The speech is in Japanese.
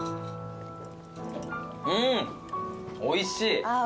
うんおいしい。